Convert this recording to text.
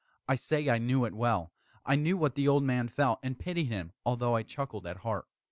I say I knew it well. I knew what the old man felt, and pitied him, although I chuckled at heart.